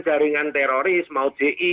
jaringan teroris mau gi